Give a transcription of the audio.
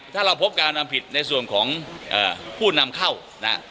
ถ้าเราพบการทำผิดในส่วนของผู้นำเข้านะ